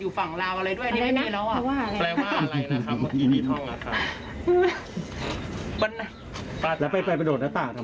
อย่างนี้ไม่ครับ